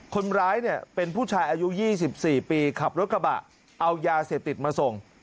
คนร้ายเนี่ยเป็นผู้ชายอายุ๒๔ปีขับรถกระบะเอายาเสพติดมาส่ง